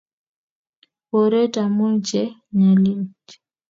Boryet amun che nyaljin.